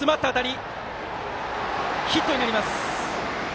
ヒットになります。